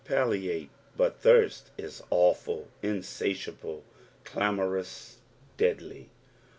palliate, but thirst ia awful, insatiable, clamorous, deadly.